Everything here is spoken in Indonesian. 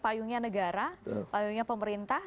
payungnya negara payungnya pemerintah